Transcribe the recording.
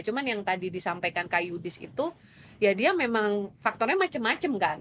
cuma yang tadi disampaikan kak yudis itu ya dia memang faktornya macam macam kan